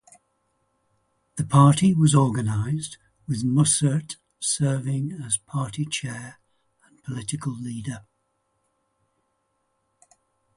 The party was organized with Mussert serving as party chair and political leader.